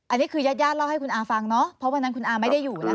อันนี้คือญาติญาติเล่าให้คุณอาฟังเนาะเพราะวันนั้นคุณอาไม่ได้อยู่แล้ว